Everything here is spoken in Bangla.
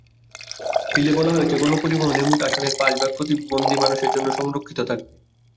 বিলে বলা হয়েছে, গণপরিবহনে মোট আসনের পাঁচ ভাগ প্রতিবন্ধী মানুষের জন্য সংরক্ষিত থাকবে।